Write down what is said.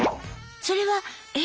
それはえ？